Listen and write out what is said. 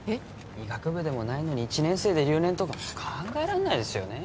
医学部でもないのに１年生で留年とか考えらんないですよね